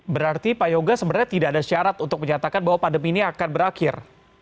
berarti pak yoga sebenarnya tidak ada syarat untuk menyatakan bahwa pandemi ini akan berakhir